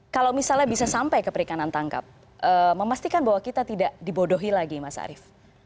kalau misalnya bisa sampai ke perikanan tangkap memastikan bahwa kita tidak dibodohi lagi mas arief